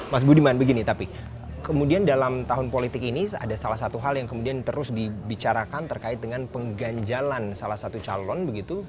mas budiman begini tapi kemudian dalam tahun politik ini ada salah satu hal yang kemudian terus dibicarakan terkait dengan pengganjalan salah satu calon begitu